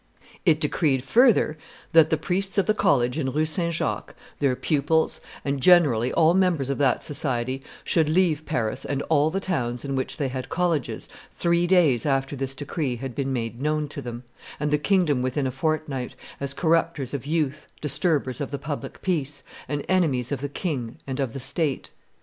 It decreed, further, that the priests of the college in Rue St. Jacques, their pupils, and, generally, all members of that society, should leave Paris and all the towns in which they had colleges three days after this decree had been made known to them, and the kingdom within a fortnight, as corrupters of youth, disturbers of the public peace, and enemies of the king and of the state.